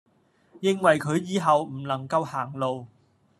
認為佢以後唔能夠行路